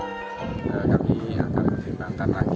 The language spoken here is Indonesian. kami akan berbakat lagi kita akan berbakat lagi